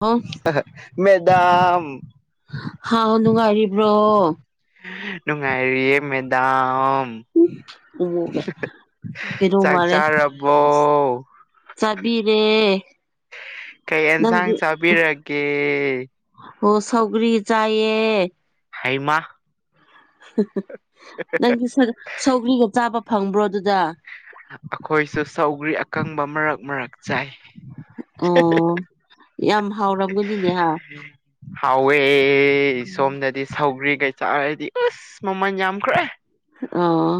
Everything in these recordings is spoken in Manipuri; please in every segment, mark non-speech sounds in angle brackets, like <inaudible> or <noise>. ꯑꯣ ꯑꯥ ꯍꯥ ꯃꯦꯗꯥꯝ ꯍꯥꯎ ꯅꯨꯡꯉꯥꯏꯔꯤꯕ꯭ꯔꯣ ꯅꯨꯡꯉꯥꯏꯔꯤꯌꯦ ꯃꯦꯗꯥꯝ ꯎꯃꯨꯒ ꯀꯩꯗꯧ ꯆꯥꯛ ꯆꯥꯔꯕꯣ ꯆꯕꯤꯔꯦ ꯀꯩ ꯑꯦꯟꯁꯥꯡ ꯆꯥꯕꯤꯔꯒꯦ ꯑꯣ ꯁꯧꯒꯔꯤ ꯆꯌꯦ ꯍꯩꯃꯥ ꯅꯪꯒꯤ ꯁꯧ ꯁꯧꯒ꯭ꯔꯤꯒ ꯆꯥꯕ ꯐꯪꯕ꯭ꯔꯣ ꯑꯗꯨꯗ ꯑꯩꯈꯣꯏꯁꯨ ꯁꯧꯒ꯭ꯔꯤ ꯑꯀꯪꯕ ꯃꯔꯛ ꯃꯔꯛ ꯆꯥꯏ ꯑꯣ ꯌꯥꯝ ꯍꯥꯎꯔꯝꯒꯅꯤꯅꯦ ꯍꯥ ꯍꯥꯎꯋꯦ ꯁꯣꯝꯗꯗꯤ ꯁꯧꯒ꯭ꯔꯤꯒꯩ ꯆꯥꯔꯗꯤ ꯑꯁ ꯃꯃꯜ ꯌꯥꯝꯈ꯭ꯔꯦ ꯑꯣ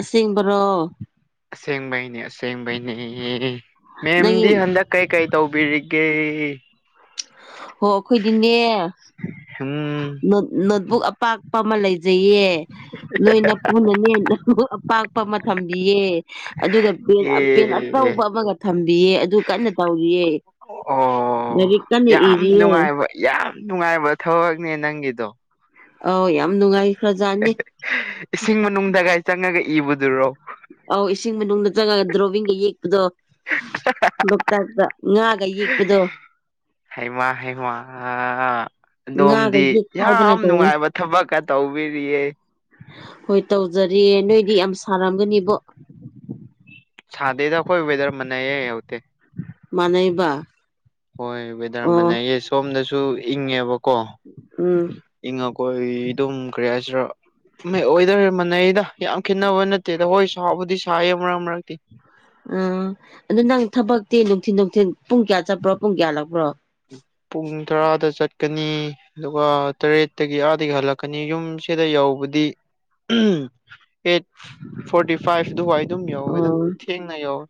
ꯑꯁꯦꯡꯕꯔꯣ ꯑꯁꯦꯡꯕꯩꯅꯦ ꯑꯁꯦꯡꯕꯩꯅꯦ ꯅꯪꯒꯤ ꯃꯦꯝꯗꯤ ꯍꯟꯗꯛ ꯀꯩꯀꯩ ꯇꯧꯕꯤꯔꯤꯒꯦ ꯍꯣ ꯈꯣꯏꯗꯤꯅꯦ ꯎꯝ ꯅꯣꯠꯕꯨꯛ ꯑꯄꯥꯛꯄ ꯑꯃ ꯂꯩꯖꯩꯌꯦ ꯅꯣꯏꯅ ꯄꯨꯅꯅꯦ ꯄꯥꯛꯄ ꯑꯃ ꯊꯝꯕꯤꯌꯦ ꯑꯗꯨꯒ ꯄꯦꯟ ꯄꯦꯟ ꯑꯦ ꯑꯆꯧꯕ ꯑꯃꯒ ꯊꯝꯕꯤꯌꯦ ꯑꯗꯨ ꯀꯟꯅ ꯇꯧꯔꯤꯌꯦ ꯑꯣ ꯂꯥꯏꯔꯤꯛ ꯀꯟꯅ ꯌꯥꯝ ꯏꯔꯤꯌꯦ ꯅꯨꯡꯉꯥꯏꯕ ꯌꯥꯝ ꯅꯨꯡꯉꯥꯏꯕ ꯊꯕꯛꯅꯦ ꯅꯪꯒꯤꯗꯣ ꯑꯥꯎ ꯌꯥꯝ ꯅꯨꯡꯉꯥꯏ ꯏꯁꯤꯡ ꯃꯅꯨꯡꯗꯒꯥꯏ ꯆꯪꯉꯒ ꯏꯕꯗꯨꯔꯣ ꯑꯧ ꯏꯁꯤꯡ ꯃꯅꯨꯡꯗ ꯆꯪꯉꯒ ꯗ꯭ꯔꯣꯕꯤꯡꯒ ꯌꯦꯛꯄꯗꯣ ꯂꯣꯛꯇꯥꯛꯇ ꯉꯥꯒ ꯌꯦꯛꯄꯗꯣ ꯍꯩꯃ ꯍꯩꯃ ꯉꯥꯒ ꯑꯗꯣꯝꯗꯤ ꯌꯦꯛꯈꯥꯏꯗꯅ ꯌꯥꯝ ꯇꯧꯋꯤ ꯅꯨꯡꯉꯥꯏꯕ ꯊꯕꯛꯀ ꯇꯧꯕꯤꯔꯤꯌꯦ ꯍꯣꯏ ꯇꯧꯖꯔꯤꯌꯦ ꯅꯣꯏꯗꯤ ꯌꯥꯝ ꯁꯥꯔꯝꯒꯅꯤꯕꯣ ꯁꯥꯗꯦꯗ ꯑꯩꯏ ꯋꯦꯊꯤꯔ ꯃꯅꯥꯌꯦ ꯃꯅꯩꯕ ꯍꯣꯏ ꯋꯦꯗꯔ ꯑꯃꯅꯩꯌꯦ ꯁꯣꯝꯗꯁꯨ ꯏꯪꯉꯦꯕꯀꯣ ꯎꯝ ꯏꯈꯣꯏ ꯑꯗꯨꯝ ꯀꯌꯥꯁꯤꯔ ꯃꯥꯏ ꯋꯦꯗꯔ ꯃꯥꯟꯅꯩꯗ ꯌꯥꯝ ꯈꯦꯠꯅꯕ ꯅꯠꯇꯦꯗ ꯍꯣꯏ ꯁꯥꯎꯕꯨꯗꯤ ꯁꯥꯏꯌꯦ ꯃꯔꯛ ꯃꯔꯛꯇꯤ ꯑꯥ ꯑꯗꯨꯗꯣ ꯅꯪ ꯊꯕꯛꯇꯤ ꯅꯨꯡꯊꯤꯟ ꯅꯨꯡꯊꯤꯟ ꯄꯨꯡ ꯀꯌꯥ ꯆꯠꯄ꯭ꯔꯣ ꯄꯨꯡ ꯀꯌꯥ ꯂꯛꯄ꯭ꯔꯣ ꯄꯨꯡ ꯇꯔꯥꯗ ꯆꯠꯀꯅꯤ ꯑꯗꯨꯒ ꯇꯔꯦꯠꯇꯒꯤ ꯑꯥꯗꯒꯤ ꯍꯜꯂꯛꯀꯅꯤ ꯌꯨꯝꯁꯤꯗ ꯌꯧꯕꯗꯤ ꯑꯩꯠ ꯐꯣꯔꯇꯤ ꯐꯥꯏꯚꯗꯨꯋꯥꯏ ꯑꯗꯨꯝ ꯌꯧꯋꯦꯗ ꯑꯣ ꯊꯦꯡꯅ ꯌꯧꯋꯦ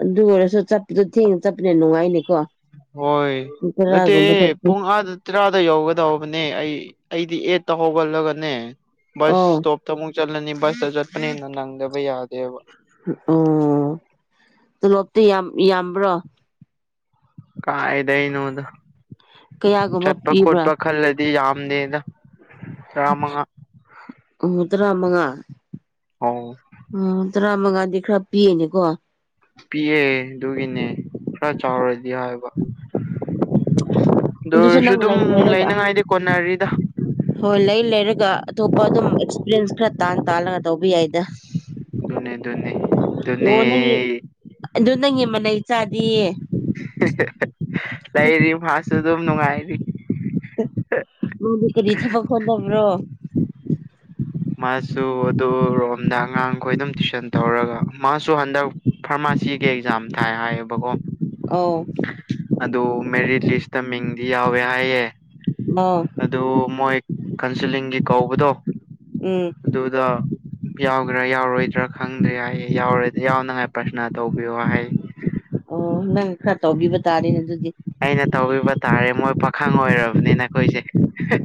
ꯑꯗꯨ ꯑꯣꯏꯔꯁꯨ ꯆꯠꯄꯗꯨ ꯊꯦꯡꯅ ꯆꯠꯄꯅꯦ ꯅꯨꯡꯉꯥꯏꯅꯤꯀꯣ ꯍꯣꯏ ꯄꯨꯡ ꯅꯠꯇꯦ ꯇꯔꯥꯒꯨꯝꯕ ꯆꯠꯄ ꯄꯨꯡ ꯑꯥꯗ ꯇ꯭ꯔꯥꯗ ꯌꯧꯒꯗꯧꯕꯅꯦ ꯑꯩ ꯑꯩꯗꯤ ꯑꯦꯠꯇ ꯍꯧꯒꯠꯂꯒꯅꯦ ꯕꯁ ꯑꯣ ꯏꯁꯇꯣꯞ ꯇ ꯑꯃꯨꯛ ꯆꯠꯂꯅꯤ ꯕꯁꯇ ꯆꯠꯄꯅꯤꯅ ꯅꯪꯗꯕ ꯌꯥꯗꯦꯕ ꯎ ꯑꯣꯂꯣꯞꯇꯤ ꯌꯥꯝ ꯌꯥꯝꯕ꯭ꯔꯣ ꯀꯥꯏꯗꯩꯅꯣꯗ ꯀꯌꯥꯒꯨꯝꯕ ꯆꯠꯄ ꯄꯤꯕ꯭ꯔꯥ ꯈꯣꯠꯄ ꯈꯜꯂꯗꯤ ꯌꯥꯝꯗꯦꯗ ꯇꯔꯥ ꯃꯉꯥ ꯎꯝ ꯇꯔꯥ ꯃꯉꯥ ꯑꯣ ꯎ ꯇꯔꯥꯃꯉꯥꯗꯤ ꯈꯔ ꯄꯤꯑꯦꯅꯦꯀꯣ ꯄꯤꯛꯑꯦ ꯑꯗꯨꯒꯤꯅꯦ ꯈꯔ ꯆꯥꯎꯔꯗꯤ ꯍꯥꯏꯕ ꯑꯗꯨꯁꯨ ꯗꯔꯁꯨ ꯅꯪ ꯑꯗꯨꯝ ꯂꯩ ꯂꯩꯔꯒ ꯂꯩꯅꯉꯥꯏꯗꯤ ꯀꯣꯟꯅꯔꯤꯗ ꯍꯣꯏ ꯂꯩ ꯂꯩꯔꯒ ꯑꯇꯣꯞꯄ ꯑꯗꯨꯝ ꯑꯦꯛꯁꯄꯤꯔꯟꯁ ꯈꯔ ꯇꯥꯟ ꯇꯥꯜꯂꯒ ꯇꯧꯕ ꯌꯥꯏꯗ ꯑꯗꯨꯅꯤ ꯑꯗꯨꯅꯤ ꯑꯣ ꯅꯪꯒꯤ ꯑꯗꯨ ꯅꯪꯒꯤ ꯃꯅꯥꯩ ꯆꯥꯗꯌꯦ ꯂꯩꯔꯤ ꯃꯥꯁꯨ ꯑꯗꯨꯝ ꯅꯨꯡꯉꯥꯏꯔꯤ ꯃꯥꯗꯤ ꯀꯔꯤ ꯊꯕꯛ ꯍꯣꯠꯅꯕ꯭ꯔꯣ ꯃꯥꯁꯨ ꯑꯗꯣꯔꯣꯝꯗ ꯑꯉꯥꯡꯈꯣꯏ ꯑꯗꯨꯝ ꯇꯨꯏꯁꯟ ꯇꯧꯔꯒ ꯃꯥꯁꯨ ꯍꯟꯗꯛ ꯐꯥꯔꯃꯥꯁꯤꯒꯤ ꯑꯦꯛꯖꯥꯝ ꯊꯥꯏ ꯍꯥꯏꯌꯦꯕꯀꯣ ꯑꯥꯎ ꯑꯗꯣ ꯃꯦꯔꯤꯠ ꯂꯤꯁꯇ ꯃꯤꯡꯗꯤ ꯌꯥꯎꯋꯦ ꯍꯥꯏꯌꯦ ꯑꯣ ꯑꯗꯨ ꯃꯣꯏ ꯀꯥꯎꯟꯁꯤꯂꯤꯡꯒꯤ ꯀꯧꯕꯗꯣ ꯎꯝ ꯑꯗꯨꯗ ꯌꯥꯎꯒꯦꯔꯥ ꯌꯥꯎꯔꯣꯏꯗ꯭ꯔꯥ ꯈꯪꯗꯦ ꯍꯥꯏꯌꯦ ꯌꯥꯎꯔ ꯌꯥꯎꯅꯉꯥꯏ ꯄ꯭ꯔꯊꯅ ꯇꯧꯕꯤꯌꯣ ꯍꯥꯏ ꯑꯣ ꯅꯪꯅ ꯈꯔ ꯇꯧꯕꯤꯕ ꯇꯥꯔꯦꯅꯦ ꯑꯗꯨꯗꯤ ꯑꯩꯅ ꯇꯧꯕꯤꯕ ꯇꯥꯔꯦ ꯃꯣꯏ ꯄꯥꯈꯪ ꯑꯣꯏꯔꯕꯅꯤꯅ ꯈꯣꯏꯁꯦ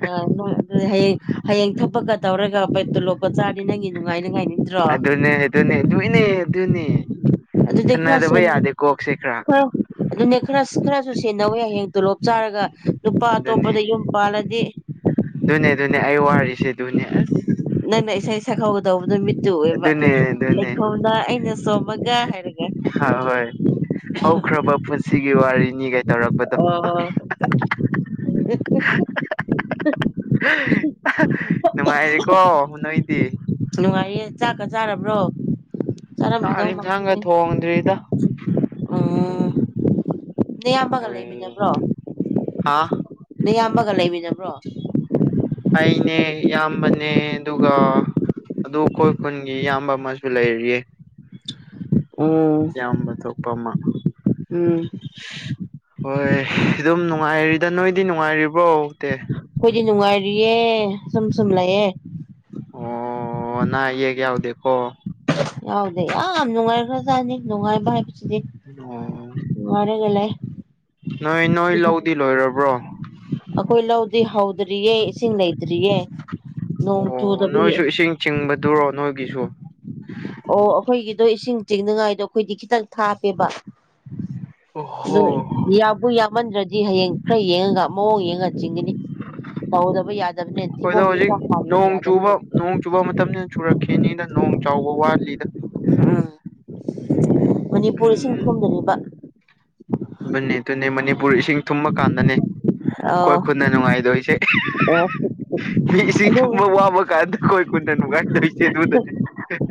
ꯑ ꯅꯣꯏ ꯑꯗꯨꯗꯤ ꯍꯌꯦꯡ ꯍꯌꯦꯡ ꯊꯄꯛꯀ ꯇꯧꯔꯒ ꯄꯩ ꯇꯣꯂꯣꯞꯀ ꯆꯥꯔꯗꯤ ꯅꯪꯒꯤ ꯅꯨꯡꯉꯥꯏꯅꯤꯉꯥꯏ ꯅꯠꯇꯗ꯭ꯔꯣ ꯑꯗꯨꯅꯦ ꯑꯗꯨꯅꯦ ꯑꯗꯨꯒꯤꯅꯦ ꯑꯗꯨꯅꯦ ꯑꯗꯨꯗꯤ ꯈꯔ ꯁꯥꯅꯗꯕ ꯁꯦꯟ ꯌꯥꯗꯦ ꯀꯣꯛꯁꯦ ꯈꯔ ꯑꯗꯨꯅꯦ ꯈꯔ ꯈꯔꯁꯨ ꯁꯦꯟꯅꯧꯍꯦ ꯍꯌꯦꯡ ꯇꯣꯂꯣꯞ ꯆꯥꯔꯒ ꯅꯨꯄꯥ ꯑꯇꯣꯞꯄꯗ ꯌꯨꯝ ꯄꯥꯜꯂꯗꯤ ꯨꯑꯗꯨꯅꯦ ꯑꯗꯨꯅꯦ ꯑꯩ ꯋꯥꯔꯤꯁꯦ ꯑꯗꯨꯅꯦ ꯑꯁ ꯅꯪꯅ ꯏꯁꯩ ꯁꯛꯍꯧꯒꯗꯧꯕꯗꯣ ꯃꯤꯠ ꯇꯨ ꯎꯏꯑꯦꯕ ꯑꯗꯨꯅꯦ ꯑꯗꯨꯅꯦ ꯂꯩꯈꯣꯡꯅ ꯑꯩꯅ ꯆꯣꯝꯃꯒ ꯍꯥꯏꯔꯒ ꯍꯣꯏ ꯍꯣꯏ ꯍꯧꯈ꯭ꯔꯕ ꯄꯨꯟꯁꯤꯒꯤ ꯋꯥꯔꯤꯅꯤ ꯒꯥꯏ ꯇꯧꯔꯛꯄꯗꯣ <unintelligible> ꯅꯨꯡꯉꯥꯏꯔꯤꯀꯣ ꯅꯣꯏꯗꯤ ꯅꯨꯡꯉꯥꯏꯔꯤꯌꯦ ꯆꯥꯛꯀ ꯆꯥꯔꯕ꯭ꯔꯣ ꯆꯥꯛ ꯆꯥꯔꯝꯈꯤꯗꯧ ꯌꯦꯟꯁꯥꯡꯒ ꯃꯥꯟꯗꯦꯅꯦ ꯊꯣꯡꯗ꯭ꯔꯤꯗ ꯎꯝ ꯅꯌꯥꯝꯕꯒ ꯂꯩꯃꯤꯟꯅꯕ꯭ꯔꯣ ꯍꯥ ꯅꯌꯥꯝꯕꯒ ꯂꯩꯃꯤꯟꯅꯕ꯭ꯔꯣ ꯑꯩꯅꯦ ꯏꯌꯥꯝꯕꯅꯦ ꯑꯗꯨꯒ ꯑꯗꯣ ꯑꯈꯣꯏ ꯈꯨꯟꯒꯤ ꯏꯌꯥꯝꯕ ꯑꯃꯁꯨ ꯂꯩꯔꯤ ꯎꯪ ꯏꯌꯥꯝꯕ ꯊꯣꯛꯄ ꯑꯃ ꯎꯝ ꯍꯣꯏ ꯑꯗꯨꯝ ꯅꯨꯡꯉꯥꯏꯔꯤꯗ ꯅꯣꯏꯗꯤ ꯅꯨꯡꯉꯥꯏꯔꯤꯕ꯭ꯔꯣ ꯑꯩꯈꯣꯏꯗꯤ ꯅꯨꯡꯉꯥꯏꯔꯤꯌꯦ ꯁꯨꯝ ꯁꯨꯝ ꯂꯩꯌꯦ ꯑꯣ ꯑꯅꯥ ꯑꯌꯦꯛ ꯌꯥꯎꯗꯦꯀꯣ ꯌꯥꯎꯗꯦ ꯌꯥꯝ ꯅꯨꯡꯉꯥꯏꯈ꯭ꯔꯖꯥꯠꯅꯤ ꯅꯨꯡꯉꯥꯏꯕ ꯍꯥꯏꯕꯁꯤꯗꯤ ꯑꯣ ꯋꯥꯔꯒ ꯂꯩ ꯅꯣꯏ ꯅꯣꯏ ꯂꯧꯗꯤ ꯂꯣꯏꯔꯕ꯭ꯔꯣ ꯑꯩꯈꯣꯏ ꯂꯧꯗꯤ ꯍꯧꯗ꯭ꯔꯤꯌꯦ ꯏꯁꯤꯡ ꯂꯩꯇ꯭ꯔꯤꯌꯦ ꯅꯣꯡ ꯑꯣ ꯆꯨꯗꯕꯒꯤ ꯅꯣꯏꯁꯨ ꯏꯁꯤꯡ ꯆꯤꯡꯕꯗꯨꯔꯣ ꯅꯣꯏꯒꯤꯁꯨ ꯑꯣ ꯑꯩꯈꯣꯏꯒꯤꯗꯣ ꯏꯁꯤꯡ ꯆꯤꯡꯅꯉꯥꯏꯗꯣ ꯑꯩꯈꯣꯏꯗꯤ ꯈꯤꯇꯪ ꯊꯥꯞꯄꯦꯕ ꯑꯗꯨꯝ ꯑꯣꯍꯣ ꯌꯥꯕꯨ ꯌꯥꯝꯃꯟꯗ꯭ꯔꯗꯤ ꯍꯌꯦꯡ ꯈꯔ ꯌꯦꯡꯉꯒ ꯃꯑꯣꯡ ꯌꯦꯡꯉꯒ ꯆꯤꯡꯒꯅꯤ ꯍꯧꯗꯕ ꯌꯥꯗꯦ ꯍꯣꯢꯗ ꯍꯧꯖꯤꯛ ꯅꯣꯡ ꯆꯨꯕ ꯃꯇꯝꯅꯤꯅ ꯆꯨꯔꯛꯈꯤꯅꯤꯗ ꯅꯣꯡ ꯆꯨꯗꯧꯕ ꯋꯥꯠꯂꯤꯗ ꯎꯝ ꯃꯅꯤꯄꯨꯔ ꯢꯁꯤꯡ ꯎꯝ ꯊꯨꯝꯒꯅꯤꯕ ꯑꯗꯨꯅꯦ ꯑꯗꯨꯅꯦ ꯃꯅꯤꯄꯨꯔ ꯏꯁꯤꯡ ꯊꯨꯝꯃꯀꯥꯟꯗꯅꯦ ꯑꯩꯈꯣꯏ ꯑꯥ ꯈꯨꯟꯅ ꯅꯨꯡꯉꯥꯏꯗꯣꯏꯁꯦ ꯃꯤꯅ ꯢꯁꯤꯡ ꯑꯗꯨ ꯊꯨꯝꯂ ꯋꯥꯕ ꯀꯥꯟꯗ ꯑꯈꯣꯢ ꯈꯨꯟꯅ ꯅꯨꯡꯉꯥꯟꯗꯣꯏꯁꯦ ꯑꯗꯨꯗꯅꯦ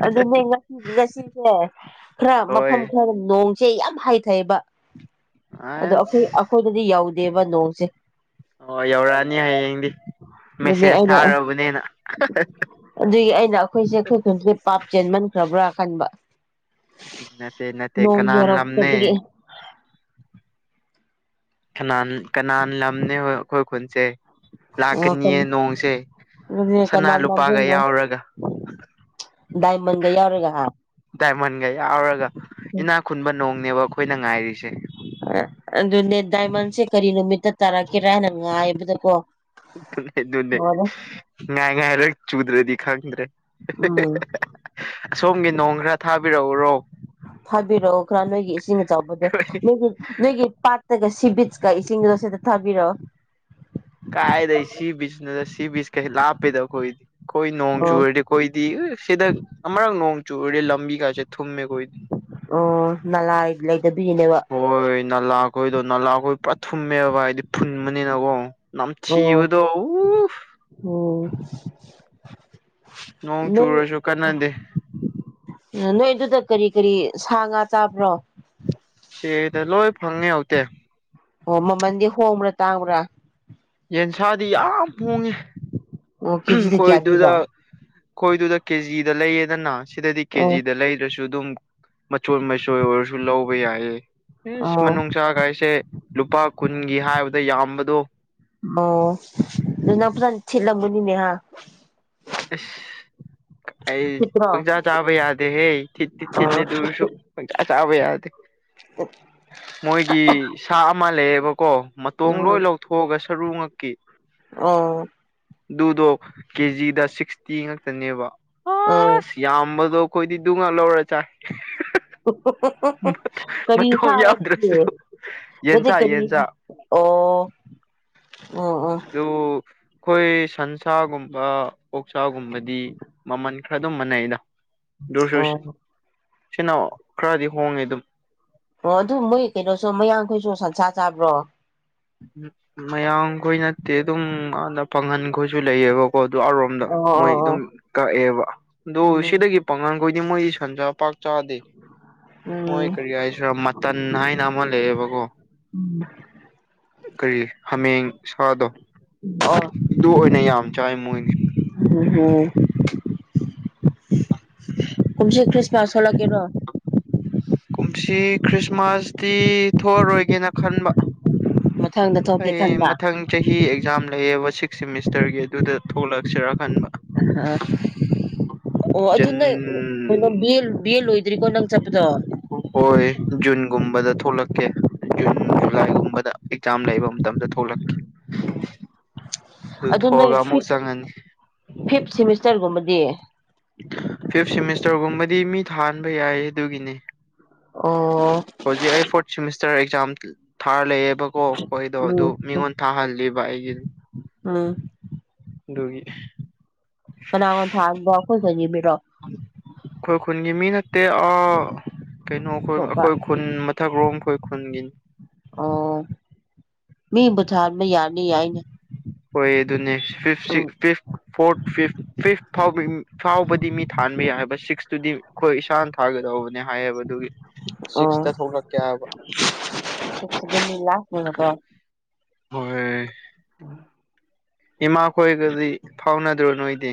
ꯑꯗꯨꯅꯦ ꯉꯁꯤ ꯉꯁꯤꯁꯦ ꯈꯔꯥ ꯍꯣꯏ ꯃꯐꯝ ꯈꯔ ꯅꯣꯡꯁꯦ ꯌꯥꯝ ꯍꯩꯊꯩꯌꯦꯕ ꯑꯗꯣ ꯑꯁ ꯑꯈꯣꯏ ꯑꯩꯈꯣꯏꯗꯗꯤ ꯌꯧꯗꯦꯕ ꯅꯣꯡꯁꯦ ꯍꯣꯏ ꯌꯧꯔꯛꯑꯅꯤ ꯍꯌꯦꯡꯗꯤ ꯑꯗꯨꯅꯦ ꯃꯦꯁꯦꯁ ꯑꯩꯅ ꯊꯥꯔꯕꯅꯤꯅ ꯑꯗꯨꯒꯤ ꯑꯩꯅ ꯑꯩꯈꯣꯏ ꯈꯨꯟꯁꯦ ꯄꯥꯞ ꯆꯦꯟꯃꯟꯈ꯭ꯔꯕ꯭ꯔꯥ ꯈꯟꯕ ꯅꯠꯇꯦ ꯅꯠꯇꯦ ꯅꯣꯡ ꯀꯅꯥꯟ ꯌꯨꯔꯛꯇꯕꯒꯤ ꯂꯝꯅꯦ ꯀꯅꯥ ꯀꯅ ꯂꯝꯅꯦꯕ ꯑꯩꯈꯣꯏ ꯈꯨꯟꯁꯦ ꯂꯥꯛꯀꯅꯤꯌꯦ ꯅꯣꯡꯁꯦ ꯁꯅꯥ ꯀꯅꯥ ꯂꯨꯄꯥꯒ ꯂꯝꯖꯦꯟꯅꯣ ꯌꯥꯎꯔꯒ ꯗꯥꯏꯃꯟꯒ ꯌꯥꯎꯔꯒ ꯍꯥ ꯗꯥꯏꯃꯟꯒ ꯌꯥꯎꯔꯒ ꯏꯅꯥꯛ ꯈꯨꯟꯕ ꯅꯣꯡꯅꯦꯕ ꯑꯩꯈꯣꯏꯅ ꯉꯥꯏꯔꯤꯁꯦ ꯑꯗꯨꯅꯦ ꯗꯥꯏꯃꯟꯁꯦ ꯀꯔꯤ ꯅꯨꯃꯤꯠꯇ ꯇꯥꯔꯛꯀꯦꯔꯅ ꯉꯥꯏꯕꯗꯀꯣ ꯑꯗꯨꯅꯦ ꯑꯗꯨꯅꯦ ꯂꯣꯏꯔꯦ ꯉꯥꯏ ꯉꯥꯏꯔ ꯆꯨꯗ꯭ꯔꯗꯤ ꯈꯪꯗ꯭ꯔꯦ ꯎꯝ ꯑꯁꯣꯝꯒꯤ ꯅꯣꯡ ꯈꯔ ꯊꯥꯕꯤꯔꯛꯎꯔꯣ ꯊꯥꯕꯤꯔꯛꯎ ꯈꯔ ꯅꯣꯏꯒꯤ ꯏꯁꯤꯡ ꯑꯆꯥꯎꯕꯗꯣ ꯑꯩꯈꯣꯏ ꯅꯣꯏꯒꯤ ꯅꯣꯏꯒꯤ ꯄꯥꯠ <unintelligible> ꯁꯤꯕꯤꯠꯁꯀ ꯏꯁꯤꯡꯗꯣ ꯁꯤꯗ ꯊꯥꯕꯤꯔꯛꯑꯣ ꯀꯥꯏꯗꯩ ꯁꯤ ꯕꯤꯆꯁ ꯅꯣꯗ ꯁꯤ ꯕꯤꯆꯁ ꯀꯁꯦ ꯂꯥꯞꯄꯦꯗ ꯑꯩꯈꯣꯏꯗꯤ ꯑꯩꯈꯣꯏ ꯅꯣꯡ ꯑꯣ ꯆꯨꯔꯗꯤ ꯑꯩꯈꯣꯏꯗꯤ ꯁꯤꯗ ꯑꯃꯔꯛ ꯅꯣꯡ ꯆꯨꯔꯗꯤ ꯂꯝꯕꯤꯒꯥꯁꯦ ꯊꯨꯝꯃꯦ ꯈꯣꯏꯗꯤ ꯑꯣ ꯅꯥꯂꯥ ꯂꯩꯇꯕꯒꯤꯅꯦꯕ ꯍꯣꯏ ꯅꯥꯂꯥꯈꯣꯏꯗꯣ ꯅꯥꯂꯥꯈꯣꯏ ꯄꯨꯔꯥ ꯊꯨꯝꯃꯦꯕ ꯍꯥꯏꯗꯤ ꯐꯨꯟꯕꯅꯤꯅꯀꯣ ꯑꯣ ꯅꯝꯊꯤꯕꯗꯣ <unintelligible> ꯅꯣꯡ ꯆꯨꯔꯁꯨ ꯀꯥꯟꯅꯗꯦ ꯅꯣꯏ ꯑꯗꯨꯗ ꯀꯔꯤ ꯀꯔꯤ ꯁꯥ ꯉꯥ ꯆꯥꯕ꯭ꯔꯣ ꯆꯦꯗ ꯂꯣꯏ ꯐꯪꯉꯦ ꯍꯥꯎꯇꯦ ꯑꯣ ꯃꯃꯟꯗꯤ ꯍꯣꯡꯕ꯭ꯔꯥ ꯇꯥꯡꯕ꯭ꯔꯥ ꯌꯦꯟꯁꯥꯗꯤ ꯌꯥꯝ ꯍꯣꯡꯉꯤ ꯑꯣ ꯀꯦꯖꯤꯗ ꯀꯌꯥ ꯈꯣꯏꯗꯨꯗ ꯄꯤꯕ ꯈꯣꯏꯗꯨꯗ ꯀꯦꯖꯤꯗ ꯂꯩꯌꯦꯗꯅ ꯁꯤꯗꯗꯤ ꯑꯣ ꯀꯦꯖꯤꯗ ꯂꯩꯗ꯭ꯔꯁꯨ ꯑꯗꯨꯝ ꯃꯆꯣꯏ ꯃꯆꯣꯏ ꯑꯣꯏꯔꯁꯨ ꯂꯧꯕ ꯌꯥꯏꯌꯦ ꯑꯣ ꯃꯅꯨꯡꯁꯥꯒꯥꯏꯁꯦ ꯂꯨꯄꯥ ꯀꯨꯟꯒꯤ ꯍꯥꯏꯕꯗ ꯌꯥꯝꯕꯗꯣ ꯑꯣ ꯅꯪꯅ ꯐꯖꯅꯥ ꯊꯤꯠꯂꯝꯒꯅꯤꯅꯦ ꯍꯥ ꯢꯁ ꯑꯩ ꯊꯤꯠꯇ꯭ꯔꯣ ꯄꯪꯆꯥ ꯆꯥꯕ ꯌꯥꯗꯦ ꯍꯦ ꯊꯤꯠꯇꯤ ꯑꯣ ꯊꯠꯂꯤ ꯗꯨ ꯑꯣꯏꯔꯁꯨ ꯄꯪꯆꯥ ꯆꯥꯕ ꯌꯥꯗꯦ ꯑꯣ ꯃꯣꯏꯒꯤ ꯁꯥ ꯑꯃ ꯂꯩꯌꯦꯕꯀꯣ ꯎꯝ ꯇꯣꯡꯂꯣꯏ ꯂꯧꯊꯣꯛꯑꯒ ꯁꯔꯨ ꯉꯛꯀꯤ ꯑꯣ ꯑꯗꯨꯗꯣ ꯀꯦꯖꯤꯗ ꯁꯤꯛꯁꯇꯤ ꯉꯥꯛꯇꯅꯦꯕ ꯑꯥꯎ ꯌꯥꯝꯕꯗꯣ ꯑꯈꯣꯏꯗꯤ ꯗꯨꯉꯥꯛ ꯂꯧꯔ ꯆꯥꯏ <unintelligible> ꯀꯔꯤ ꯃꯇꯣꯡ ꯁꯥꯔꯣ ꯌꯥꯎꯗ꯭ꯔꯁꯨ ꯑꯗꯨꯗꯤ ꯌꯦꯟꯁꯥ ꯀꯔꯤ ꯌꯦꯟꯁꯥ ꯑꯣ ꯑꯣ ꯑꯣ ꯑꯗꯨ ꯈꯣꯏ ꯁꯟꯁꯥꯒꯨꯝꯕ ꯑꯣꯛꯁꯥꯒꯨꯝꯕꯗꯤ ꯃꯃꯟ ꯈꯔ ꯑꯗꯨꯝ ꯃꯥꯟꯅꯩꯗ ꯗꯨꯁꯨ ꯑꯣ ꯁꯤꯅ ꯈꯔꯗꯤ ꯍꯣꯡꯉꯦ ꯑꯗꯨꯝ ꯑꯣ ꯑꯗꯨ ꯃꯣꯏ ꯀꯩꯅꯣꯁꯨ ꯃꯌꯥꯡꯈꯣꯏꯁꯨ ꯁꯟꯁꯥ ꯆꯥꯕ꯭ꯔꯣ ꯎꯝ ꯃꯌꯥꯝꯈꯣꯏ ꯅꯠꯇꯦ ꯑꯗꯨꯝ ꯑꯗ ꯄꯥꯡꯒꯟꯈꯣꯏꯁꯨ ꯂꯩꯌꯦꯕ ꯑꯣ ꯑꯗꯨꯔꯣꯝꯗ ꯑꯣ ꯃꯣꯏ ꯑꯣ ꯑꯣ ꯑꯗꯨꯝ ꯀꯛꯑꯦꯕ ꯑꯗꯨ ꯎꯝ ꯁꯤꯗꯒꯤ ꯄꯥꯡꯒꯜꯈꯣꯏꯗꯤ ꯃꯣꯏꯗꯤ ꯁꯟꯖꯥ ꯄꯥꯛ ꯆꯥꯗꯦ ꯃꯣꯏ ꯎꯝ ꯀꯔꯤ ꯍꯥꯏꯁꯤꯔ ꯃꯠ ꯇꯟ ꯍꯥꯏꯅ ꯑꯃ ꯂꯩꯌꯦꯕꯀꯣ ꯀꯔꯤ ꯍꯥꯃꯦꯡ ꯁꯥꯗꯣ ꯑ ꯑꯗꯨ ꯑꯣꯏꯅ ꯌꯥꯝ ꯆꯥꯏ ꯃꯣꯏꯗꯤ ꯎꯝꯍꯝ ꯀꯨꯝꯁꯤ ꯈ꯭ꯔꯤꯁꯃꯥꯁ ꯊꯣꯛꯂꯛꯀꯦꯔꯣ ꯀꯨꯝꯁꯤ ꯈ꯭ꯔꯤꯁꯃꯥꯁꯇꯤ ꯊꯣꯛꯑꯔꯣꯏꯒꯦꯅ ꯈꯟꯕ <unintelligible> ꯑꯩ ꯈꯟꯕ ꯃꯊꯪ ꯆꯍꯤ ꯑꯦꯛꯖꯥꯝ ꯂꯩꯌꯦꯕ ꯁꯤꯛꯁ ꯁꯦꯃꯤꯁꯇꯔꯒꯤ ꯑꯗꯨꯗ ꯊꯣꯛꯂꯛꯁꯤꯔꯥ ꯈꯟꯕ ꯍ ꯑꯣ ꯑꯗꯨ ꯖꯟ ꯅꯪ ꯀꯩꯅꯣ ꯕꯤꯑꯦ ꯂꯣꯏꯗ꯭ꯔꯤꯀꯣ ꯅꯪ ꯆꯠꯄꯗꯣ ꯍꯣꯏ ꯖꯨꯟꯒꯨꯝꯕꯗ ꯊꯣꯛꯂꯛꯀꯦ ꯖꯨꯟ ꯖꯨꯂꯥꯏ ꯒꯨꯝꯕꯗ ꯌꯥꯝ ꯂꯩꯕ ꯃꯇꯝꯗ ꯊꯣꯛꯂꯛꯀꯦ ꯑꯗꯨ ꯅꯣꯏ ꯊꯣꯛꯑꯒ ꯑꯃꯨꯛ ꯐꯤꯞ ꯆꯪꯉꯅꯤ ꯐꯤꯞ ꯁꯦꯝꯃꯤꯁꯇꯔꯒꯨꯝꯕꯗꯤ ꯐꯤꯞ ꯁꯦꯝꯃꯤꯁꯇꯔꯒꯨꯝꯕꯗꯤ ꯃꯤ ꯊꯥꯍꯟꯕ ꯌꯥꯏ ꯑꯗꯨꯒꯤꯅꯤ ꯑꯣ ꯍꯧꯖꯤꯛ ꯑꯩ ꯐꯣꯔꯠ ꯁꯦꯝꯃꯤꯁꯇꯔ ꯑꯦꯛꯖꯥꯝ ꯊꯥꯔ ꯂꯩꯌꯦꯕ ꯀꯣ ꯈꯣꯏꯗꯣ ꯑꯗꯨ ꯎꯝ ꯃꯤꯉꯣꯟ ꯊꯥꯍꯜꯂꯤꯕ ꯑꯩꯒꯤ ꯎꯝ ꯑꯗꯨꯒꯤ ꯀꯅꯥꯅ ꯊꯥꯍꯟꯕ ꯑꯈꯣꯏ ꯈꯨꯜꯒꯤ ꯃꯤꯔꯣ ꯑꯩꯈꯣꯏ ꯈꯨꯟꯒꯤ ꯃꯤ ꯅꯠꯇꯦ ꯑ ꯀꯩꯅꯣ ꯈꯣꯏ ꯑꯇꯣꯞꯄ ꯑꯩꯈꯣꯏ ꯈꯨꯟ ꯃꯊꯛ ꯔꯣꯝ ꯑꯩꯈꯣꯏ ꯈꯨꯟꯒꯤꯅꯤ ꯑꯣ ꯃꯤꯕꯨ ꯊꯍꯟꯕ ꯌꯥꯔꯗꯤ ꯌꯥꯏꯅꯦ ꯍꯣꯏ ꯑꯗꯨꯅꯦ ꯐꯤꯞ ꯁꯤꯛ ꯐꯤꯞ ꯐꯣꯔꯠ ꯐꯤꯐ ꯐꯤꯐ ꯐꯥꯎ ꯐꯥꯎꯕꯗꯤ ꯃꯤ ꯊꯥꯟꯕ ꯌꯥꯏꯕ ꯁꯤꯛꯁ ꯇꯨꯗꯤ ꯑꯩꯈꯣꯏ ꯏꯁꯥꯅ ꯊꯥꯒꯗꯧꯕꯅꯦ ꯍꯥꯏꯌꯦꯕ ꯑꯗꯨꯒꯤ ꯑꯣ ꯁꯤꯛꯁꯇ ꯊꯣꯛꯂꯛꯀꯦ ꯍꯥꯏꯕ ꯑꯗꯨꯗꯤ ꯂꯥꯁꯠꯅꯤꯕꯥ ꯀꯣ ꯍꯣꯏ <unintelligible> ꯏꯃꯥ ꯈꯣꯏꯗꯗꯤ ꯐꯥꯎꯅꯗ꯭ꯔꯣ ꯅꯣꯏꯗꯤ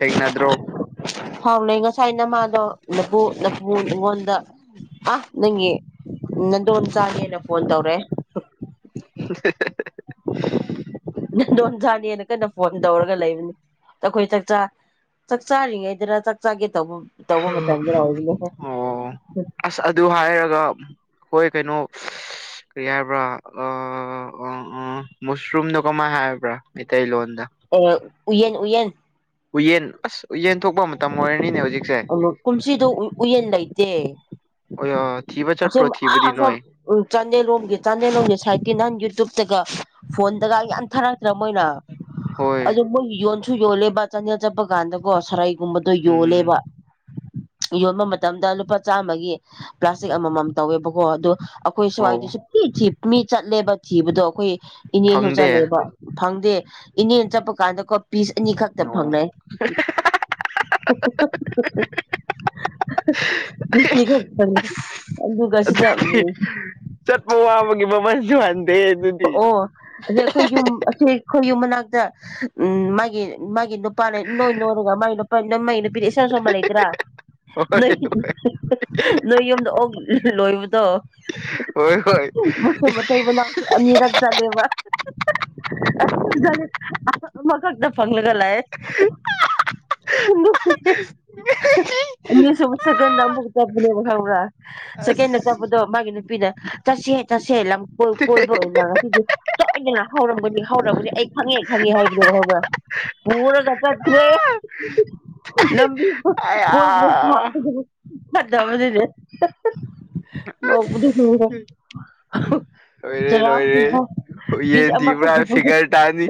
ꯊꯦꯡꯅꯗ꯭ꯔꯣ꯫ ꯐꯥꯎꯅꯩ ꯉꯁꯥꯏ ꯅꯃꯥꯗꯣ ꯅꯄꯨ ꯅꯄꯨ ꯑꯩꯉꯣꯟꯗ ꯑ ꯅꯪꯒꯤ ꯅꯥꯗꯣꯝꯆꯥꯅꯦꯅ ꯐꯣꯟ ꯇꯧꯔꯥꯛꯑꯦ꯫ <unintelligible> ꯅꯥꯗꯣꯝꯆꯥꯅꯦꯅꯥ ꯀꯟꯅ ꯐꯣꯟ ꯇꯧꯔꯒ ꯂꯩꯕꯅꯦ ꯑꯩꯈꯣꯏ ꯆꯥꯛꯆꯥ ꯆꯥꯛ ꯆꯥꯔꯤꯉꯩꯗꯥꯔ ꯆꯥꯛ ꯆꯥꯒꯦ ꯇꯧꯕ ꯇꯧꯕ ꯃꯇꯝꯗ ꯑꯣꯏꯕꯅꯦ <unintelligible> ꯑꯣ ꯑꯁ ꯑꯗꯨ ꯍꯥꯏꯔꯒ ꯈꯣꯏ ꯀꯩꯅꯣ ꯀꯔꯤ ꯍꯥꯏꯕ꯭ꯔꯥ ꯑ-ꯑ-ꯑ ꯃꯁꯨꯔꯨꯝꯗꯣ ꯀꯃꯥꯏꯅ ꯍꯥꯏꯕ꯭ꯔꯥ ꯃꯩꯇꯩꯂꯣꯟꯗ꯫ ꯑ ꯎꯌꯦꯟ ꯎꯌꯦꯟ ꯎꯌꯦꯟ ꯑꯁ ꯎꯌꯦꯟ ꯊꯣꯛꯄ ꯃꯇꯝ ꯑꯣꯏꯔꯅꯤꯅꯦ ꯍꯧꯖꯤꯛ ꯑ ꯃ ꯀꯨꯝꯁꯤꯗꯣ ꯎꯌꯦꯟ ꯂꯩꯇꯦ ꯊꯤꯕ ꯑꯁꯣꯝ ꯆꯠꯄ꯭ꯔꯣ ꯑ ꯊꯤꯕꯗꯤ ꯑꯁꯣꯝ ꯅꯣꯏ ꯎꯝ ꯆꯥꯟꯗꯦꯜꯂꯣꯝꯒꯤ ꯆꯥꯟꯗꯦꯜꯂꯣꯝꯒꯤ ꯁꯥꯏꯠꯀꯤ ꯅꯍꯥꯟ ꯌꯨꯇ꯭ꯌꯨꯕꯇꯒ ꯐꯣꯟꯗꯒ ꯌꯥꯝ ꯊꯔꯛ ꯇꯔ ꯃꯣꯏꯅ ꯍꯣꯏ ꯑꯗꯨ ꯃꯣꯏ ꯌꯣꯟꯁꯨ ꯌꯣꯟꯂꯦꯕꯥ ꯆꯟꯗꯦꯜ ꯆꯠꯄ ꯀꯥꯟꯗꯀꯣ ꯁꯔꯩ ꯒꯨꯝꯕꯗꯣ ꯎꯝ ꯌꯣꯜꯂꯦꯕ꯫ ꯌꯣꯟꯕ ꯃꯇꯝꯗ ꯂꯨꯄꯥ ꯆꯥꯝꯃꯒꯤ ꯄ꯭ꯂꯥꯁꯇꯤꯛ ꯑꯃꯃꯝ ꯇꯧꯋꯦꯕꯥꯀꯣ ꯑꯗꯣ ꯑꯩꯈꯣꯏ ꯁ꯭ꯋꯥꯏꯗꯤ ꯑꯣ ꯁꯨꯛꯊꯤ ꯊꯤ ꯃꯤ ꯆꯠꯂꯦꯕ ꯊꯤꯕꯗꯣ ꯑꯩꯈꯣꯏ ꯏꯅꯦꯁꯨ ꯐꯪꯗꯦ ꯆꯠꯂꯦꯕꯥ꯫ ꯐꯪꯗꯦ ꯏꯅꯦꯅꯥ ꯆꯠꯄ ꯀꯥꯟꯗꯀꯣ ꯄꯤꯁ ꯑꯅꯤ ꯈꯛꯇ ꯑꯣ ꯐꯪꯂꯛꯑꯦ꯫ <unintelligible> ꯉꯁꯤ ꯈꯛꯇꯅꯦ ꯑꯗꯨꯒꯥ ꯁꯤꯗꯥ ꯑꯗꯨꯗꯤ ꯆꯠꯄ ꯋꯥꯕꯒꯤ ꯃꯃꯜꯁꯨ ꯍꯟꯗꯦ ꯑꯗꯨꯗꯤ ꯑꯣ ꯑꯁꯤ ꯑꯩꯈꯣꯏ ꯌꯨꯝ ꯑꯁꯤ ꯑꯩꯈꯣꯏ ꯌꯨꯝ ꯃꯅꯥꯛꯇ ꯎꯝ ꯃꯥꯒꯤ ꯃꯥꯒꯤ ꯅꯨ ꯅꯨꯄꯥꯅꯦ ꯏꯅꯣꯏ ꯅꯣꯏꯔꯥꯒ ꯃꯥꯏ <unintelligible> ꯅꯨꯄꯤꯅ ꯏꯁꯣꯟꯕ ꯁꯣꯟꯕ ꯂꯩꯇ꯭ꯔꯥ ꯅꯣꯏ ꯍꯣꯏ ꯅꯣꯏ ꯌꯨꯝꯗ ꯑꯣꯛ ꯂꯣꯏꯕꯗꯣ ꯍꯣꯏ ꯍꯣꯏ ꯃꯈꯣꯏ ꯃꯇꯩ ꯃꯅꯥꯎꯁꯨ ꯑꯅꯤꯔꯛ ꯆꯠꯂꯦꯕꯥ꯫ ꯑꯁꯤ <unintelligible> ꯑꯃ ꯑꯃ ꯈꯛꯇ ꯐꯪꯂꯒ ꯂꯥꯛꯑꯦ꯫ <unintelligible> ꯑꯅꯤꯔꯛ ꯁꯨꯕ ꯁꯦꯀꯦꯟꯗꯥ ꯑꯃꯨꯛꯀꯥ ꯆꯠꯄꯅꯦꯕꯥ ꯈꯪꯕꯔꯥ ꯁꯦꯀꯦꯟꯗꯥ ꯆꯠꯄꯗꯣ ꯑꯁ ꯃꯥꯒꯤ ꯅꯨꯄꯤꯅ ꯆꯠꯁꯦ ꯆꯠꯁꯦ ꯂꯝ ꯀꯣꯏ ꯀꯣꯏꯕ ꯑꯣꯏꯅ ꯉꯁꯤꯗꯤ ꯁꯣꯏꯗꯅ ꯍꯧꯔꯝꯒꯅꯤ ꯍꯧꯔꯝꯒꯥꯅꯤ ꯑꯩ ꯈꯪꯉꯦ ꯈꯪꯉꯦ ꯍꯥꯏꯗꯣꯛꯑꯒ ꯄꯨꯔꯒ ꯆꯠꯈꯔ‌ꯦ ꯂꯝꯕꯤꯗ ꯀꯣꯏꯕꯗꯁꯨ ꯊꯥꯡꯒꯔꯦ ꯐꯗꯕꯗꯗꯤ ꯅꯣꯛꯄꯗ ꯁꯤꯔ‌ꯦ ꯂꯣꯏꯔꯦ ꯆꯔꯥ ꯂꯣꯏꯔꯦ <unintelligible> ꯄꯤꯁ ꯌꯦꯟ ꯑꯃꯈꯛ <unintelligible> ꯊꯤꯕ꯭ꯔꯥ ꯐꯤꯒꯔ ꯇꯥꯅꯤ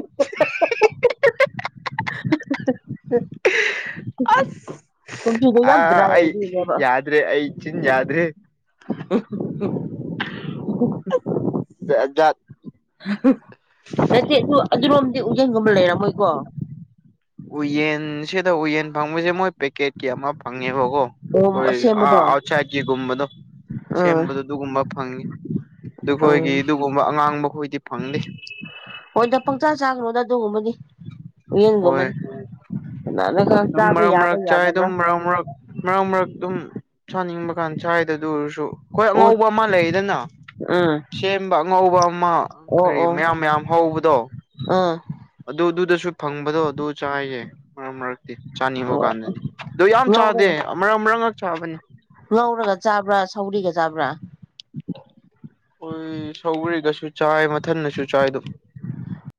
ꯑꯁ ꯀꯨꯝꯁꯤꯗꯤ ꯌꯥꯝ ꯗ꯭ꯔꯥꯏ ꯑꫭꯏꯗꫭꯏꯅꯦꯕ ꯗꯔ‌ꯦ ꯑꯩ ꯆꯤꯟ ꯌꯥꯗ꯭ꯔ‌ꯦ꯫ <unintelligible> <unintelligible> ꯅꯠꯇꯦ ꯑꯗꯨ ꯑꯗꯨꯔꯣꯝꯗꯤ ꯎꯌꯦꯟꯒꯨꯝꯕ ꯂꯩꯔꯝꯃꯣꯏꯀꯣ ꯎꯌꯦꯟ ꯁꯤꯗ ꯎꯌꯦꯟ ꯐꯪꯕꯁꯦ ꯃꯣꯏ ꯄꯦꯛꯀꯦꯠꯀꯤ ꯑꯃꯥꯞ ꯐꯪꯉꯦꯕꯒꯣ ꯑꯣ ꯑꯩꯈꫭꯏ ꯑ ꯑꯁꯦꯡꯕꯗꯣ ꯑꯎꯁꯥꯏꯠꯀꯤ ꯒꯨꯝꯕꯗꯣ꯫ ꯎꯝ ꯁꯦꯝꯕꯗꯣ ꯑꯗꯨꯒꯨꯝꯕ ꯐꯪꯉꯤ ꯑꯗꯨꯈꯣꯏꯒꯤ ꯎꯝ ꯑꯗꯨꯒꯨꯝꯕ ꯑꯉꯥꯡꯕꯈꯣꯏꯗꯤ ꯐꯪꯗꯦ꯫ ꯍꯣꯏꯗ ꯄꯪꯆꯥ ꯆꯥꯒꯅꯣꯗ ꯑꯗꯨꯒꯨꯝꯕꯗꯤ ꯎꯨꯌꯦꯟꯒꯨꯝꯗꯤ ꯍꯣꯏ ꯀꯅꯥꯅ ꯈꯔ ꯆꯥꯕ ꯌꯥꯕ ꯌꯥꯗꯕ꯭ꯔꯥ ꯑꯃꯔꯛ ꯃꯔꯛ ꯃꯔꯛ ꯑꯗꯨꯝ ꯆꯥꯅꯤꯡꯕ ꯀꯥꯟꯗ ꯆꯥꯏꯗ ꯑꯗꯨ ꯑꯣꯏꯔꯁꯨ ꯑꯩꯈꯣꯏ ꯑꯣ ꯑꯉꯧꯕ ꯑꯃ ꯂꯩꯗꯅ ꯎꯝ ꯁꯦꯝꯕ ꯑꯉꯧꯕ ꯑꯃ ꯑꯣ ꯀꯔꯤ ꯑꯣ ꯃꯌꯥꯝ ꯃꯌꯥꯝ ꯍꯧꯕꯗꯣ ꯑꯥ ꯑꯗꯨ ꯑꯗꯨꯗꯁꯨ ꯐꯪꯕꯗꯣ ꯑꯗꯨ ꯆꯥꯏꯌꯦ ꯃꯔꯛ ꯃꯔꯛ ꯑꯦ ꯆꯥꯅꯤꯡꯕ ꯀꯥꯟꯗꯗꯤ ꯑꯗꯨ ꯌꯥꯝ ꯆꯥꯗꯦ ꯉꯧꯔꯒ ꯑꯃꯔꯛ ꯑꯃꯔꯛ ꯈꯛ ꯆꯥꯕꯅꯤ ꯉꯧꯔꯒ ꯆꯥꯕ꯭ꯔꯥ ꯁꯧꯒꯔꯤꯒ ꯆꯥꯕ꯭ꯔꯥ ꯍꯣꯏ ꯁꯧꯒꯔꯤꯒꯁꯨ ꯆꯥꯏ ꯃꯊꯟꯟꯅꯁꯨ ꯆꯥꯏꯗꯨꯝ